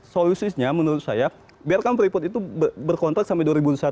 solusinya menurut saya biarkan freeport itu berkontrak sampai dua ribu dua puluh satu